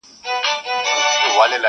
په دریو ورځو کي د خوګ په څېر تیار سو-